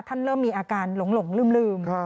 เริ่มมีอาการหลงลืม